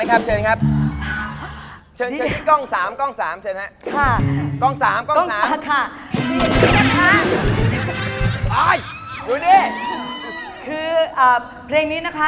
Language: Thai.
คือเพลงนี้นะคะ